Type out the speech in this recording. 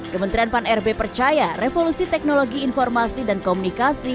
kementerian pan rb percaya revolusi teknologi informasi dan komunikasi